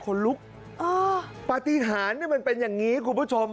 คนลุกปฏิหารมันเป็นอย่างนี้คุณผู้ชม